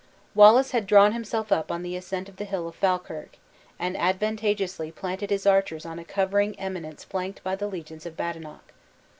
Wallace had drawn himself up on the ascent of the hill of Falkirk, and advantageously planted his archers on a covering eminence flanked by the legions of Badenoch.